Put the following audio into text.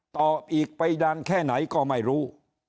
ต่ออีกไปนานแค่ไหนก็ไม่รู้